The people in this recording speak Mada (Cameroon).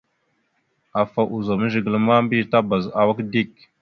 Afa ozum zigəla ma, mbiyez tabaz awak dik.